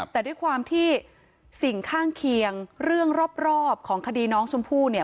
แต่ด้วยความที่สิ่งข้างเคียงเรื่องรอบของคดีน้องชมพู่เนี่ย